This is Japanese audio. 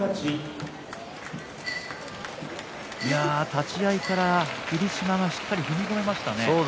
立ち合いから霧島がしっかり踏み込めましたね。